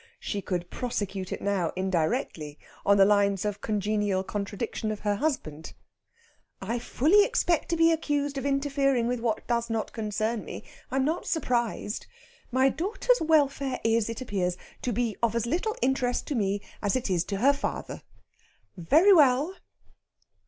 She could prosecute it now indirectly, on the lines of congenial contradiction of her husband. "I fully expected to be accused of interfering with what does not concern me. I am not surprised. My daughter's welfare is, it appears, to be of as little interest to me as it is to her father. Very well."